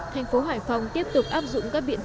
thành phố hải phòng tiếp tục áp dụng các biện pháp